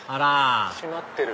閉まってる。